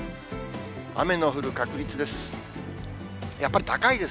雨の降る確率です。